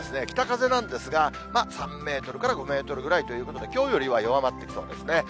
北風なんですが、３メートルから５メートルぐらいということで、きょうよりは弱まっていきそうですね。